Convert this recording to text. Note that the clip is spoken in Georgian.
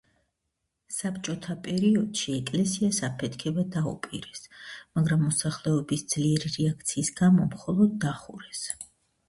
საბჭოთა პერიოდში ეკლესიას აფეთქება დაუპირეს, მაგრამ მოსახლეობის ძლიერი რეაქციის გამო მხოლოდ დახურეს.